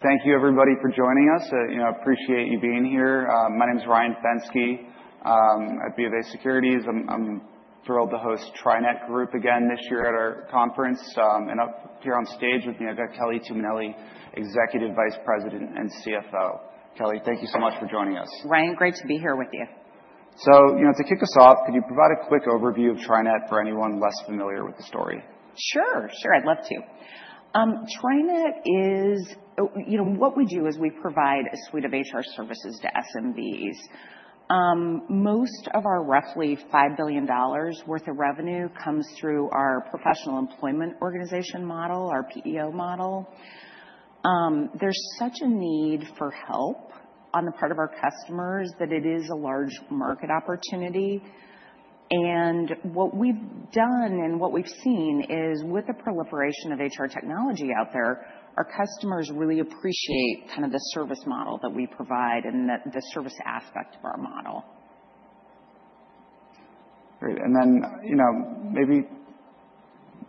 Thank you, everybody, for joining us. You know, I appreciate you being here. My name is Ryan Fenske at BofA Securities. I'm thrilled to host TriNet Group again this year at our conference, and up here on stage with me, I've got Kelly Tuminelli, Executive Vice President and CFO. Kelly, thank you so much for joining us. Ryan, great to be here with you. You know, to kick us off, could you provide a quick overview of TriNet for anyone less familiar with the story? Sure, sure. I'd love to. TriNet is, you know, what we do is we provide a suite of HR services to SMBs. Most of our roughly $5 billion worth of revenue comes through our Professional Employment Organization model, our PEO model. There's such a need for help on the part of our customers that it is a large market opportunity. What we've done and what we've seen is, with the proliferation of HR technology out there, our customers really appreciate kind of the service model that we provide and the service aspect of our model. Great. And then, you know, maybe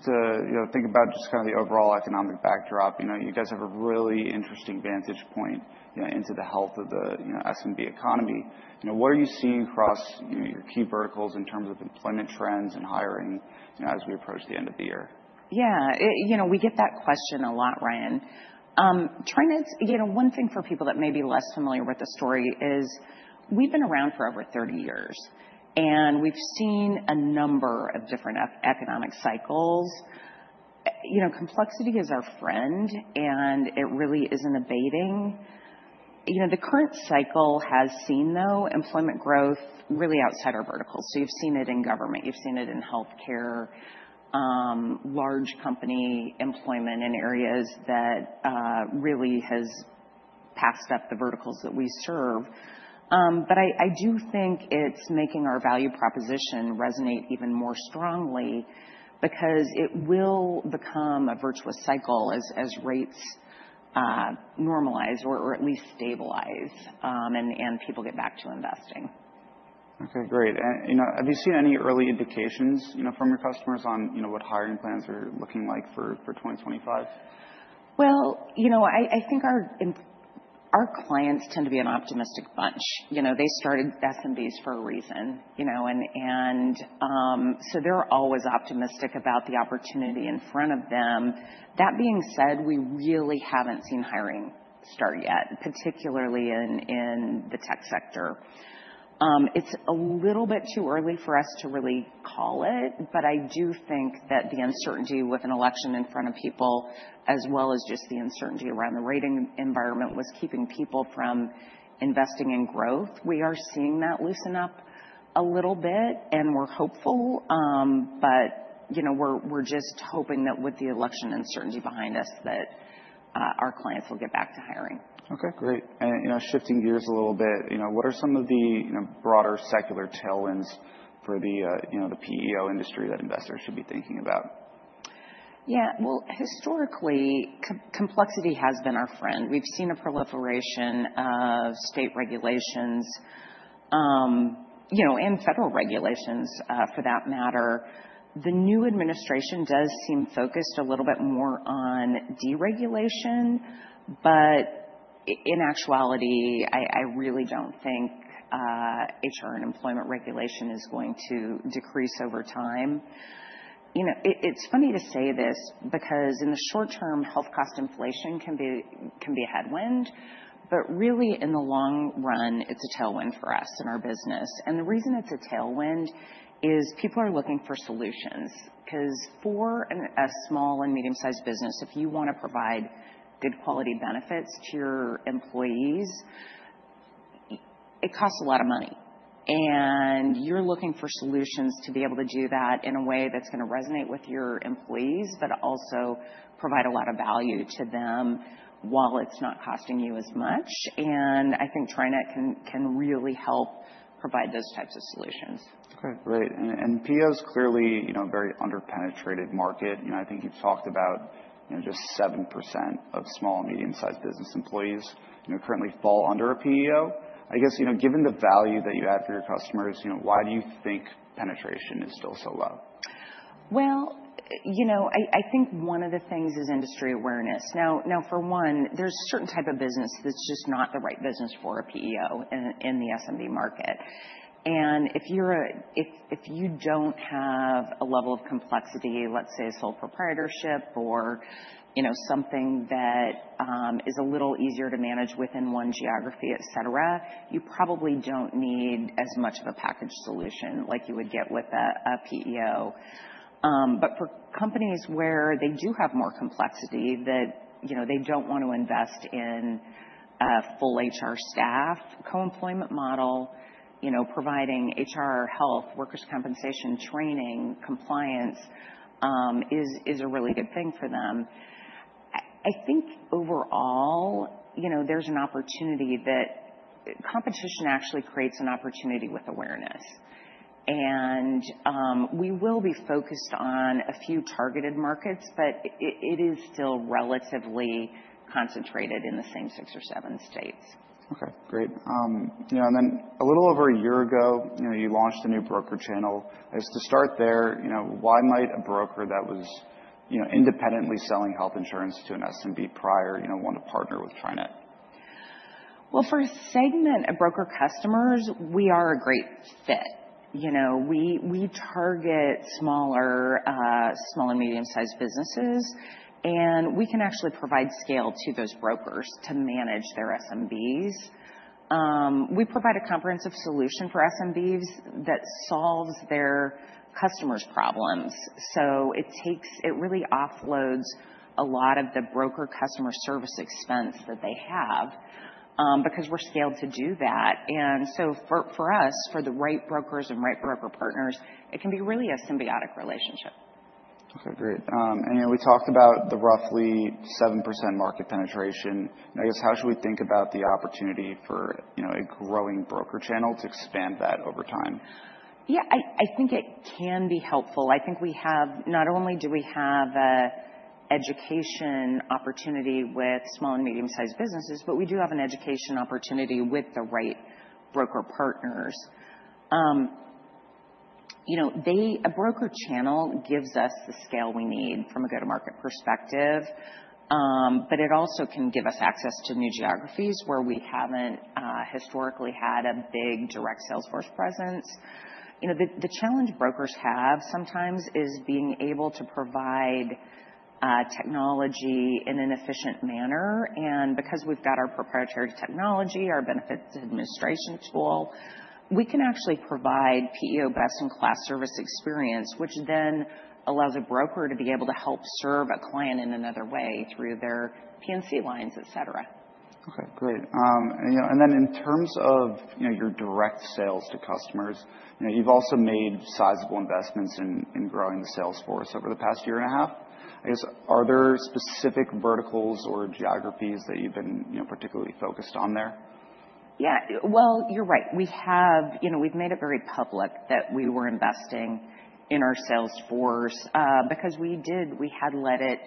to, you know, think about just kind of the overall economic backdrop, you know, you guys have a really interesting vantage point, you know, into the health of the, you know, SMB economy. You know, what are you seeing across, you know, your key verticals in terms of employment trends and hiring, you know, as we approach the end of the year? Yeah. You know, we get that question a lot, Ryan. TriNet's, you know, one thing for people that may be less familiar with the story is we've been around for over 30 years, and we've seen a number of different economic cycles. You know, complexity is our friend, and it really isn't abating. You know, the current cycle has seen, though, employment growth really outside our verticals. So you've seen it in government. You've seen it in healthcare, large company employment in areas that really has passed up the verticals that we serve. But I do think it's making our value proposition resonate even more strongly because it will become a virtuous cycle as rates normalize or at least stabilize and people get back to investing. Okay, great. And, you know, have you seen any early indications, you know, from your customers on, you know, what hiring plans are looking like for 2025? Well, you know, I think our clients tend to be an optimistic bunch. You know, they started SMBs for a reason, you know, and so they're always optimistic about the opportunity in front of them. That being said, we really haven't seen hiring start yet, particularly in the tech sector. It's a little bit too early for us to really call it, but I do think that the uncertainty with an election in front of people, as well as just the uncertainty around the rate environment, was keeping people from investing in growth. We are seeing that loosen up a little bit, and we're hopeful. But, you know, we're just hoping that with the election uncertainty behind us, that our clients will get back to hiring. Okay, great. And, you know, shifting gears a little bit, you know, what are some of the, you know, broader secular tailwinds for the, you know, the PEO industry that investors should be thinking about? Yeah. Well, historically, complexity has been our friend. We've seen a proliferation of state regulations, you know, and federal regulations for that matter. The new administration does seem focused a little bit more on deregulation, but in actuality, I really don't think HR and employment regulation is going to decrease over time. You know, it's funny to say this because in the short term, health cost inflation can be a headwind, but really in the long run, it's a tailwind for us and our business. And the reason it's a tailwind is people are looking for solutions because for a small and medium-sized business, if you want to provide good quality benefits to your employees, it costs a lot of money. You're looking for solutions to be able to do that in a way that's going to resonate with your employees, but also provide a lot of value to them while it's not costing you as much. I think TriNet can really help provide those types of solutions. Okay, great. And PEO's clearly, you know, a very underpenetrated market. You know, I think you've talked about, you know, just 7% of small and medium-sized business employees, you know, currently fall under a PEO. I guess, you know, given the value that you add for your customers, you know, why do you think penetration is still so low? You know, I think one of the things is industry awareness. Now, for one, there's a certain type of business that's just not the right business for a PEO in the SMB market. If you don't have a level of complexity, let's say a sole proprietorship or, you know, something that is a little easier to manage within one geography, et cetera, you probably don't need as much of a package solution like you would get with a PEO. For companies where they do have more complexity, that, you know, they don't want to invest in a full HR staff co-employment model, you know, providing HR, health, workers' compensation, training, compliance is a really good thing for them. I think overall, you know, there's an opportunity that competition actually creates an opportunity with awareness. We will be focused on a few targeted markets, but it is still relatively concentrated in the same six or seven states. Okay, great. You know, and then a little over a year ago, you know, you launched a new broker channel. I guess to start there, you know, why might a broker that was, you know, independently selling health insurance to an SMB prior, you know, want to partner with TriNet? For segment broker customers, we are a great fit. You know, we target small and medium-sized businesses, and we can actually provide scale to those brokers to manage their SMBs. We provide a comprehensive solution for SMBs that solves their customers' problems. It really offloads a lot of the broker customer service expense that they have because we're scaled to do that. For us, for the right brokers and right broker partners, it can be really a symbiotic relationship. Okay, great. And, you know, we talked about the roughly 7% market penetration. I guess, how should we think about the opportunity for, you know, a growing broker channel to expand that over time? Yeah, I think it can be helpful. I think we have, not only do we have an education opportunity with small and medium-sized businesses, but we do have an education opportunity with the right broker partners. You know, a broker channel gives us the scale we need from a go-to-market perspective, but it also can give us access to new geographies where we haven't historically had a big direct sales force presence. You know, the challenge brokers have sometimes is being able to provide technology in an efficient manner. And because we've got our proprietary technology, our benefits administration tool, we can actually provide PEO best-in-class service experience, which then allows a broker to be able to help serve a client in another way through their P&C lines, et cetera. Okay, great. And, you know, and then in terms of, you know, your direct sales to customers, you know, you've also made sizable investments in growing the sales force over the past year and a half. I guess, are there specific verticals or geographies that you've been, you know, particularly focused on there? Yeah. Well, you're right. We have, you know, we've made it very public that we were investing in our sales force because we did, we had let it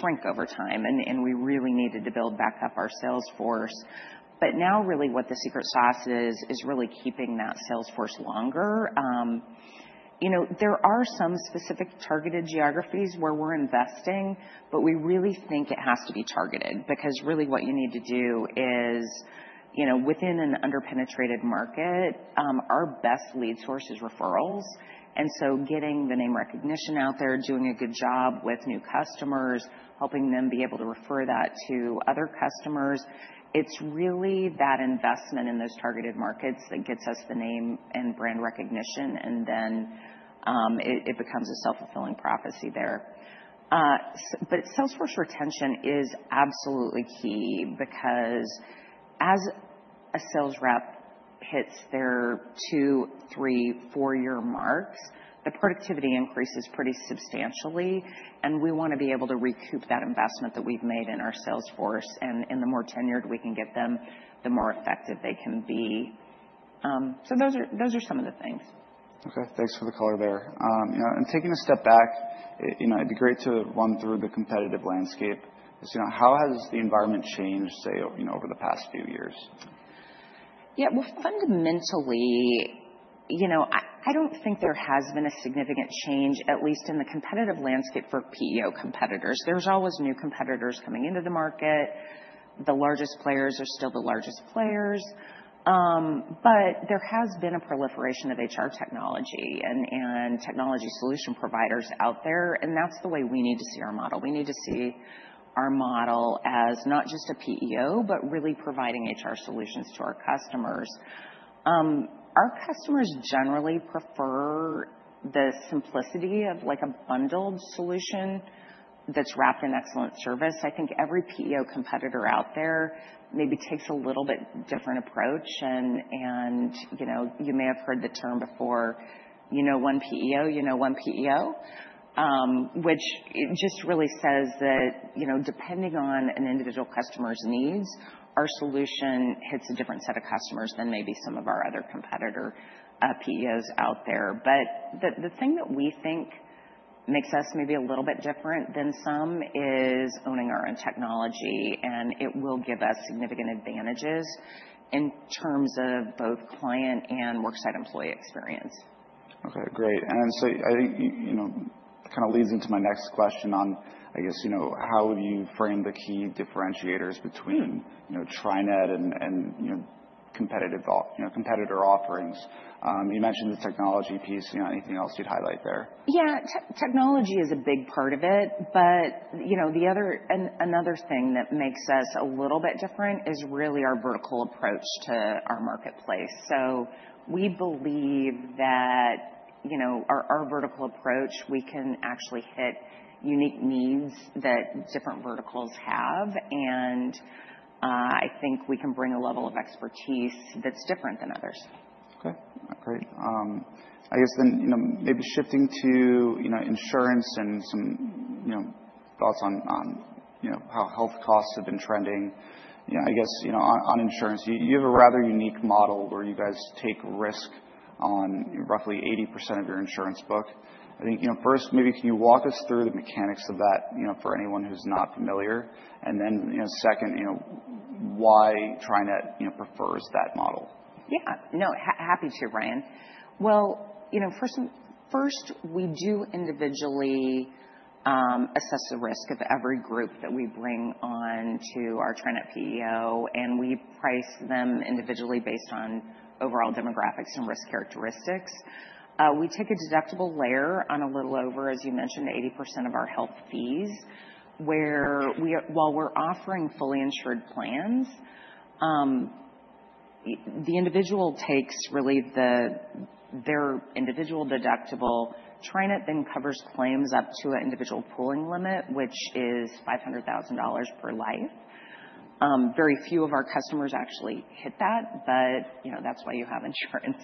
shrink over time, and we really needed to build back up our sales force. But now really what the secret sauce is, is really keeping that sales force longer. You know, there are some specific targeted geographies where we're investing, but we really think it has to be targeted because really what you need to do is, you know, within an underpenetrated market, our best lead source is referrals. And so getting the name recognition out there, doing a good job with new customers, helping them be able to refer that to other customers, it's really that investment in those targeted markets that gets us the name and brand recognition, and then it becomes a self-fulfilling prophecy there. But sales force retention is absolutely key because as a sales rep hits their two, three, four-year marks, the productivity increases pretty substantially, and we want to be able to recoup that investment that we've made in our sales force. And the more tenured we can get them, the more effective they can be. So those are some of the things. Okay. Thanks for the color there. You know, and taking a step back, you know, it'd be great to run through the competitive landscape. You know, how has the environment changed, say, you know, over the past few years? Yeah, well, fundamentally, you know, I don't think there has been a significant change, at least in the competitive landscape for PEO competitors. There's always new competitors coming into the market. The largest players are still the largest players. But there has been a proliferation of HR technology and technology solution providers out there, and that's the way we need to see our model. We need to see our model as not just a PEO, but really providing HR solutions to our customers. Our customers generally prefer the simplicity of like a bundled solution that's wrapped in excellent service. I think every PEO competitor out there maybe takes a little bit different approach. And, you know, you may have heard the term before, you know, one PEO, which just really says that, you know, depending on an individual customer's needs, our solution hits a different set of customers than maybe some of our other competitor PEOs out there. But the thing that we think makes us maybe a little bit different than some is owning our own technology, and it will give us significant advantages in terms of both client and worksite employee experience. Okay, great, and so I think, you know, kind of leads into my next question on, I guess, you know, how have you framed the key differentiators between, you know, TriNet and, you know, competitor offerings? You mentioned the technology piece. You know, anything else you'd highlight there? Yeah, technology is a big part of it, but, you know, the other, another thing that makes us a little bit different is really our vertical approach to our marketplace. So we believe that, you know, our vertical approach, we can actually hit unique needs that different verticals have, and I think we can bring a level of expertise that's different than others. Okay, great. I guess then, you know, maybe shifting to, you know, insurance and some, you know, thoughts on, you know, how health costs have been trending. You know, I guess, you know, on insurance, you have a rather unique model where you guys take risk on roughly 80% of your insurance book. I think, you know, first, maybe can you walk us through the mechanics of that, you know, for anyone who's not familiar? And then, you know, second, you know, why TriNet, you know, prefers that model? Yeah, no, happy to, Ryan, well, you know, first, we do individually assess the risk of every group that we bring on to our TriNet PEO, and we price them individually based on overall demographics and risk characteristics. We take a deductible layer on a little over, as you mentioned, 80% of our health fees, where while we're offering fully insured plans, the individual takes really their individual deductible. TriNet then covers claims up to an individual pooling limit, which is $500,000 per life. Very few of our customers actually hit that, but, you know, that's why you have insurance.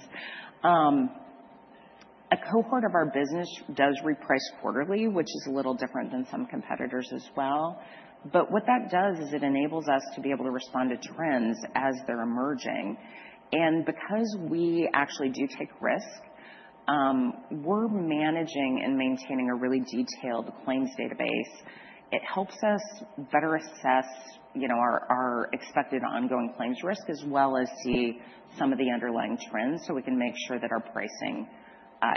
A cohort of our business does reprice quarterly, which is a little different than some competitors as well, but what that does is it enables us to be able to respond to trends as they're emerging. Because we actually do take risk, we're managing and maintaining a really detailed claims database. It helps us better assess, you know, our expected ongoing claims risk as well as see some of the underlying trends so we can make sure that our pricing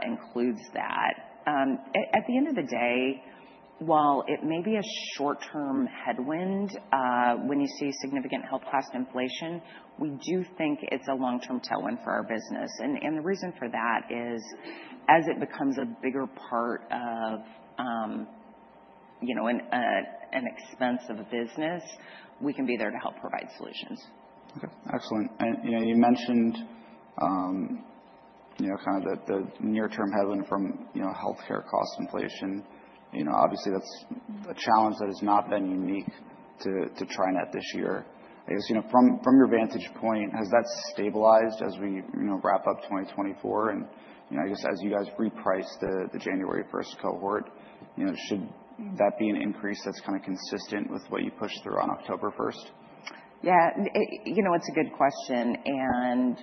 includes that. At the end of the day, while it may be a short-term headwind when you see significant health cost inflation, we do think it's a long-term tailwind for our business. The reason for that is as it becomes a bigger part of, you know, an expense of a business, we can be there to help provide solutions. Okay, excellent, and you know, you mentioned, you know, kind of the near-term headwind from, you know, healthcare cost inflation. You know, obviously that's a challenge that has not been unique to TriNet this year. I guess, you know, from your vantage point, has that stabilized as we, you know, wrap up 2024? And you know, I guess as you guys reprice the January 1st cohort, you know, should that be an increase that's kind of consistent with what you pushed through on October 1st? Yeah, you know, it's a good question. And,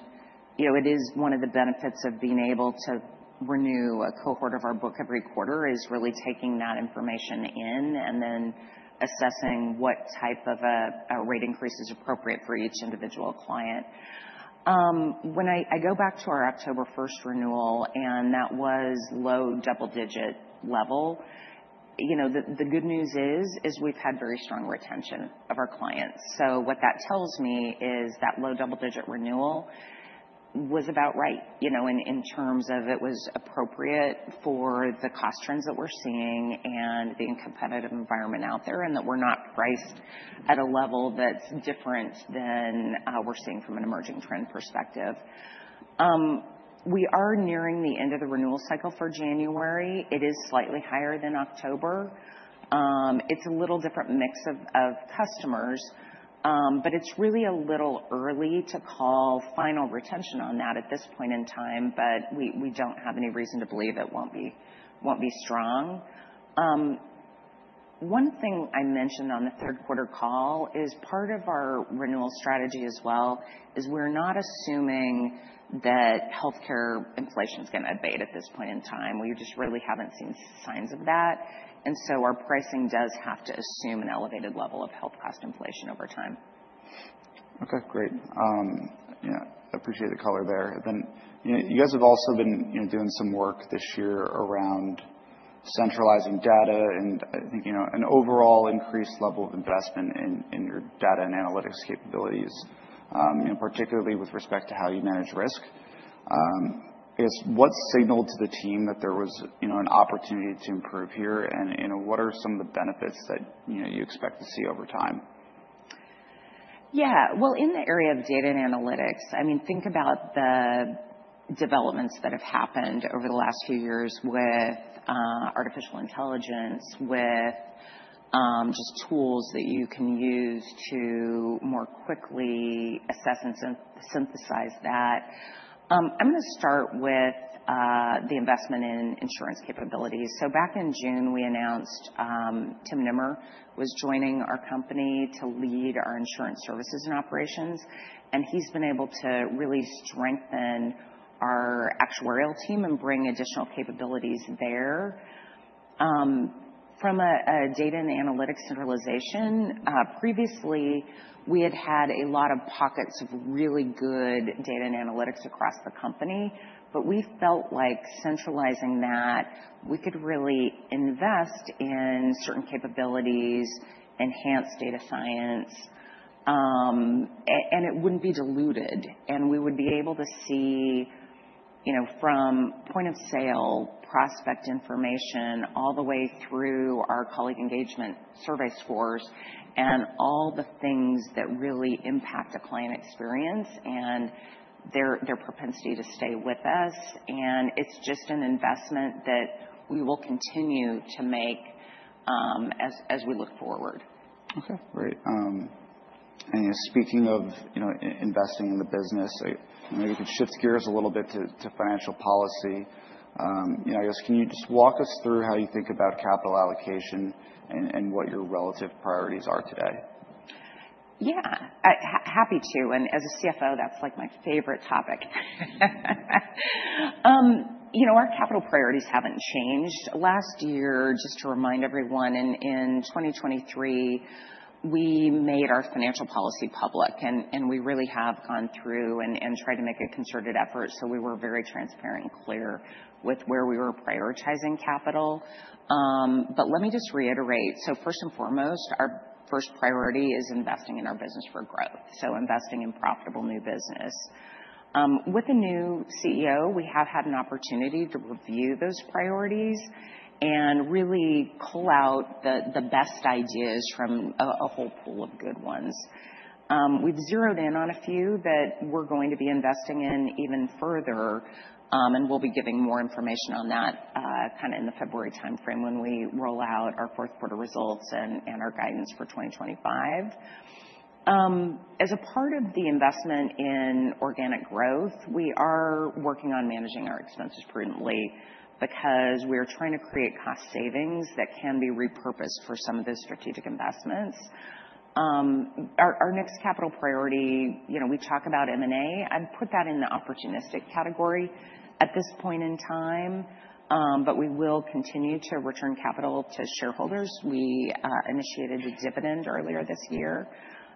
you know, it is one of the benefits of being able to renew a cohort of our book every quarter is really taking that information in and then assessing what type of a rate increase is appropriate for each individual client. When I go back to our October 1st renewal, and that was low double-digit level, you know, the good news is we've had very strong retention of our clients. So what that tells me is that low double-digit renewal was about right, you know, in terms of it was appropriate for the cost trends that we're seeing and the competitive environment out there and that we're not priced at a level that's different than we're seeing from an emerging trend perspective. We are nearing the end of the renewal cycle for January. It is slightly higher than October. It's a little different mix of customers, but it's really a little early to call final retention on that at this point in time, but we don't have any reason to believe it won't be strong. One thing I mentioned on the third quarter call is part of our renewal strategy as well is we're not assuming that healthcare inflation is going to abate at this point in time. We just really haven't seen signs of that, and so our pricing does have to assume an elevated level of health cost inflation over time. Okay, great. Yeah, I appreciate the color there. Then, you know, you guys have also been, you know, doing some work this year around centralizing data and I think, you know, an overall increased level of investment in your data and analytics capabilities, you know, particularly with respect to how you manage risk. I guess, what signaled to the team that there was, you know, an opportunity to improve here? And, you know, what are some of the benefits that, you know, you expect to see over time? Yeah, well, in the area of data and analytics, I mean, think about the developments that have happened over the last few years with artificial intelligence, with just tools that you can use to more quickly assess and synthesize that. I'm going to start with the investment in insurance capabilities. So back in June, we announced Tim Nimmer was joining our company to lead our insurance services and operations, and he's been able to really strengthen our actuarial team and bring additional capabilities there. From a data and analytics centralization, previously we had had a lot of pockets of really good data and analytics across the company, but we felt like centralizing that, we could really invest in certain capabilities, enhance data science, and it wouldn't be diluted. We would be able to see, you know, from point of sale prospect information all the way through our colleague engagement survey scores and all the things that really impact a client experience and their propensity to stay with us. It's just an investment that we will continue to make as we look forward. Okay, great. And, you know, speaking of, you know, investing in the business, maybe we could shift gears a little bit to financial policy. You know, I guess, can you just walk us through how you think about capital allocation and what your relative priorities are today? Yeah, happy to, and as a CFO, that's like my favorite topic. You know, our capital priorities haven't changed. Last year, just to remind everyone, in 2023, we made our financial policy public, and we really have gone through and tried to make a concerted effort, so we were very transparent and clear with where we were prioritizing capital, but let me just reiterate, so first and foremost, our first priority is investing in our business for growth, so investing in profitable new business. With a new CEO, we have had an opportunity to review those priorities and really pull out the best ideas from a whole pool of good ones. We've zeroed in on a few that we're going to be investing in even further, and we'll be giving more information on that kind of in the February timeframe when we roll out our fourth quarter results and our guidance for 2025. As a part of the investment in organic growth, we are working on managing our expenses prudently because we are trying to create cost savings that can be repurposed for some of those strategic investments. Our next capital priority, you know, we talk about M&A. I'd put that in the opportunistic category at this point in time, but we will continue to return capital to shareholders. We initiated a dividend earlier this year,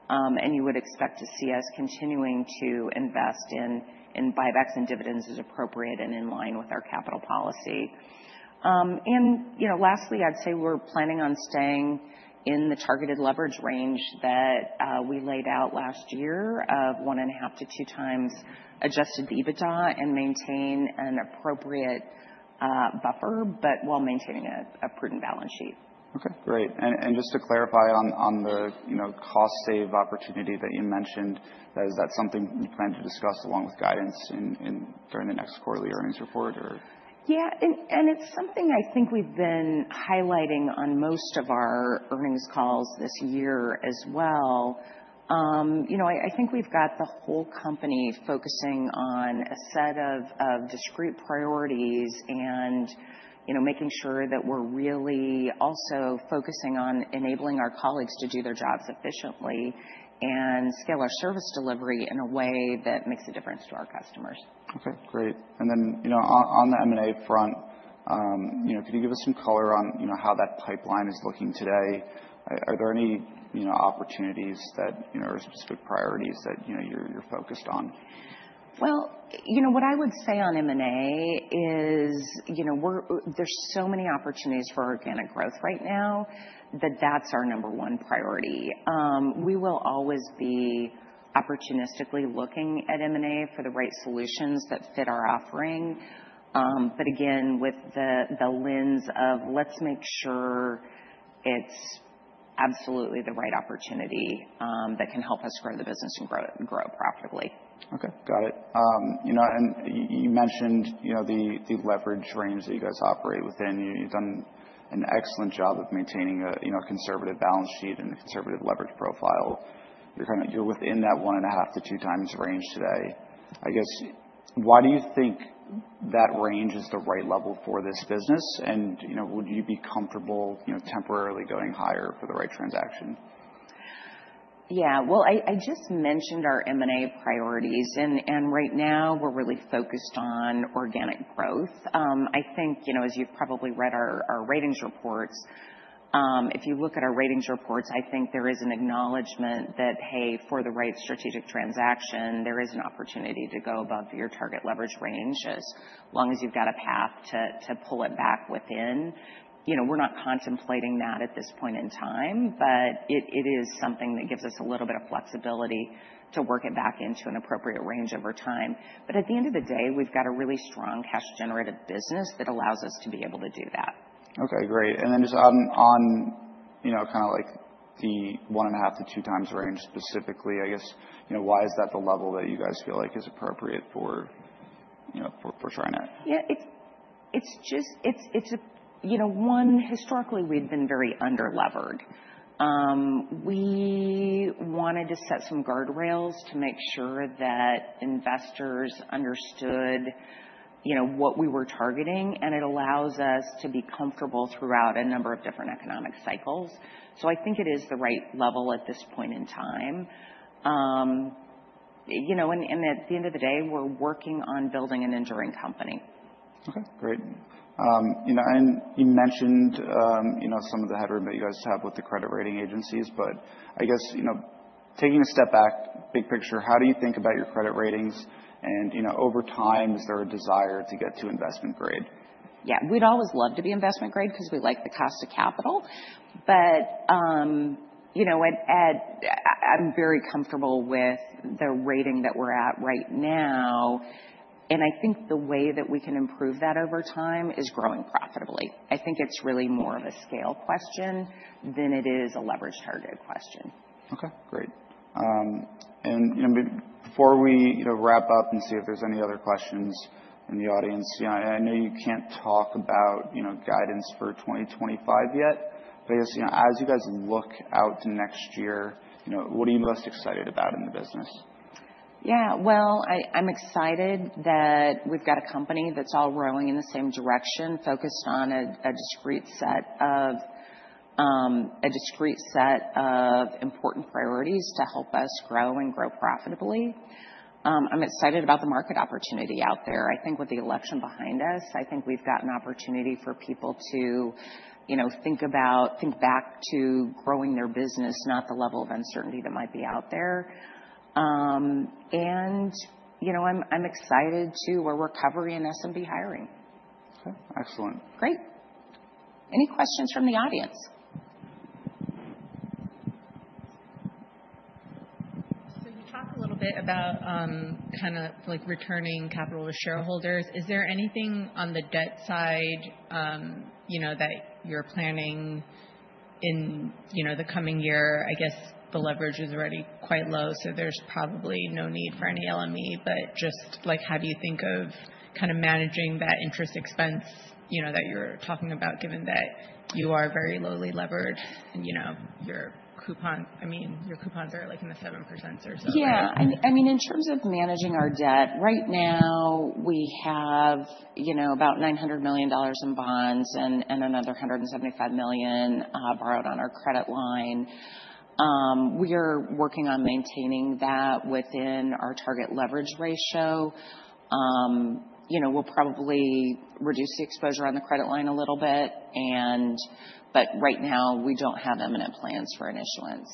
and you would expect to see us continuing to invest in buybacks and dividends as appropriate and in line with our capital policy. You know, lastly, I'd say we're planning on staying in the targeted leverage range that we laid out last year of 1.5x-2x Adjusted EBITDA and maintain an appropriate buffer, but while maintaining a prudent balance sheet. Okay, great. And just to clarify on the, you know, cost save opportunity that you mentioned, is that something you plan to discuss along with guidance during the next quarterly earnings report? Yeah, and it's something I think we've been highlighting on most of our earnings calls this year as well. You know, I think we've got the whole company focusing on a set of discrete priorities and, you know, making sure that we're really also focusing on enabling our colleagues to do their jobs efficiently and scale our service delivery in a way that makes a difference to our customers. Okay, great, and then, you know, on the M&A front, you know, could you give us some color on, you know, how that pipeline is looking today? Are there any, you know, opportunities that, you know, or specific priorities that, you know, you're focused on? Well, you know, what I would say on M&A is, you know, there's so many opportunities for organic growth right now that that's our number one priority. We will always be opportunistically looking at M&A for the right solutions that fit our offering. But again, with the lens of let's make sure it's absolutely the right opportunity that can help us grow the business and grow it and grow it profitably. Okay, got it. You know, and you mentioned, you know, the leverage range that you guys operate within. You've done an excellent job of maintaining a, you know, a conservative balance sheet and a conservative leverage profile. You're kind of, you're within that one and a half to two times range today. I guess, why do you think that range is the right level for this business, and you know, would you be comfortable, you know, temporarily going higher for the right transaction? Yeah, well, I just mentioned our M&A priorities, and right now we're really focused on organic growth. I think, you know, as you've probably read our ratings reports, if you look at our ratings reports, I think there is an acknowledgement that, hey, for the right strategic transaction, there is an opportunity to go above your target leverage range as long as you've got a path to pull it back within. You know, we're not contemplating that at this point in time, but it is something that gives us a little bit of flexibility to work it back into an appropriate range over time. But at the end of the day, we've got a really strong cash-generative business that allows us to be able to do that. Okay, great. And then just on, you know, kind of like the one and a half to two times range specifically, I guess, you know, why is that the level that you guys feel like is appropriate for, you know, for TriNet? Yeah, it's just, you know, historically we'd been very under-levered. We wanted to set some guardrails to make sure that investors understood, you know, what we were targeting, and it allows us to be comfortable throughout a number of different economic cycles. So I think it is the right level at this point in time. You know, and at the end of the day, we're working on building an enduring company. Okay, great. You know, and you mentioned, you know, some of the headwind that you guys have with the credit rating agencies, but I guess, you know, taking a step back, big picture, how do you think about your credit ratings? And, you know, over time, is there a desire to get to investment grade? Yeah, we'd always love to be investment grade because we like the cost of capital. But, you know, I'm very comfortable with the rating that we're at right now. And I think the way that we can improve that over time is growing profitably. I think it's really more of a scale question than it is a leverage targeted question. Okay, great. And, you know, before we, you know, wrap up and see if there's any other questions in the audience, you know, I know you can't talk about, you know, guidance for 2025 yet, but I guess, you know, as you guys look out to next year, you know, what are you most excited about in the business? Yeah, well, I'm excited that we've got a company that's all rowing in the same direction, focused on a discrete set of important priorities to help us grow and grow profitably. I'm excited about the market opportunity out there. I think with the election behind us, I think we've got an opportunity for people to, you know, think about, think back to growing their business, not the level of uncertainty that might be out there. You know, I'm excited to see, we're recovering in SMB hiring. Okay, excellent. Great. Any questions from the audience? So you talked a little bit about kind of like returning capital to shareholders. Is there anything on the debt side, you know, that you're planning in, you know, the coming year? I guess the leverage is already quite low, so there's probably no need for any LME, but just like, how do you think of kind of managing that interest expense, you know, that you're talking about, given that you are very lowly levered, you know, your coupon, I mean, your coupons are like in the 7% or so? Yeah, I mean, in terms of managing our debt, right now we have, you know, about $900 million in bonds and another $175 million borrowed on our credit line. We are working on maintaining that within our target leverage ratio. You know, we'll probably reduce the exposure on the credit line a little bit, and but right now we don't have imminent plans for an issuance.